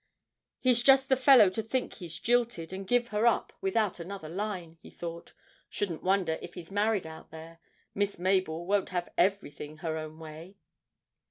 'He's just the fellow to think he's jilted, and give her up without another line,' he thought; 'shouldn't wonder if he married out there. Miss Mabel won't have everything her own way!'